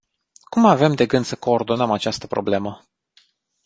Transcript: Cum avem de gând să coordonăm această problemă?